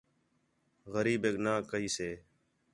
غریبیک نا کھی سے